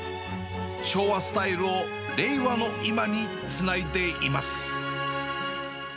昭和スタイルを令和の今につないでいます。